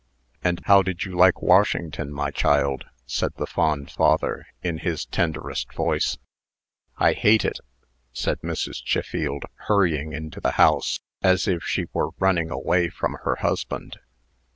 "And how did you like Washington, my child?" said the fond father, in his tenderest voice. "I hate it!" said Mrs. Chiffield, hurrying into the house, as if she were running away from her husband.